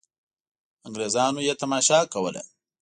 انګرېزانو یې تماشه کوله.